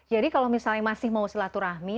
jadi kalau misalnya masih mau silaturahmi